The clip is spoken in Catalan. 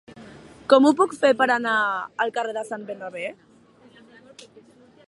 Com ho puc fer per anar al carrer de Sant Bernabé?